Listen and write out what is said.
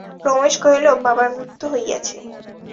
রমেশ কহিল, বাবার মৃত্যু হইয়াছে।